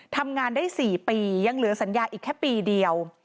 ทำงานได้๔ปียังเหลือสัญญาอีกแค่ปีเดียว